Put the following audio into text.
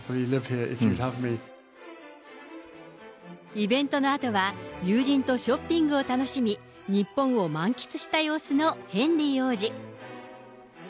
イベントのあとは、友人とショッピングを楽しみ、日本を満喫した様子のヘンリー王子。